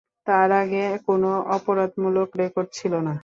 তার আগে কোনো অপরাধমূলক রেকর্ড ছিল না।